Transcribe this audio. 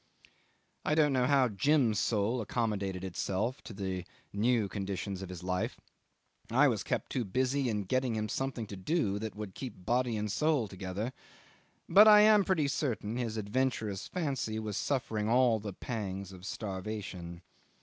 I don't know how Jim's soul accommodated itself to the new conditions of his life I was kept too busy in getting him something to do that would keep body and soul together but I am pretty certain his adventurous fancy was suffering all the pangs of starvation.